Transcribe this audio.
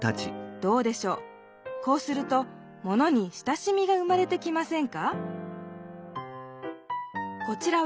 こうするとものに親しみが生まれてきませんか？